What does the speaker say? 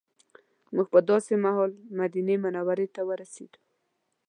موږ په داسې مهال مدینې منورې ته ورسېدو.